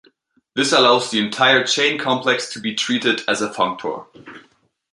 This allows the entire chain complex to be treated as a functor.